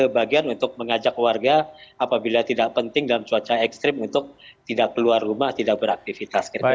bagian untuk mengajak warga apabila tidak penting dalam cuaca ekstrim untuk tidak keluar rumah tidak beraktivitas